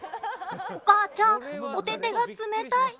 おかあちゃん、お手手が冷たい。